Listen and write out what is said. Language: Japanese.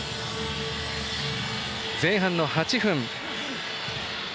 前半の８分。